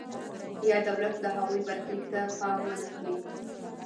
یا دولت د هغوی برخلیک ته پام ونکړي.